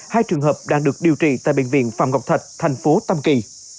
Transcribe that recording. hai trường hợp đang được điều trị tại bệnh viện phạm ngọc thạch thành phố tâm kỳ